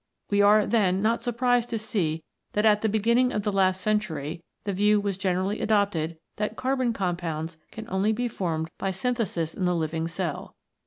We are, then, not surprised to see that at the beginning of the last century the view was generally adopted that carbon compounds can only be formed by synthesis in the living cell.